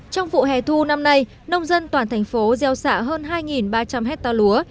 trong vụ hè thu năm nay nông dân toàn thành phố gieo xạ hơn hai ba trăm linh hectare lúa